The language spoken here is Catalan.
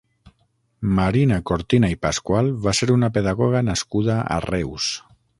Maria Cortina i Pascual va ser una pedagoga nascuda a Reus.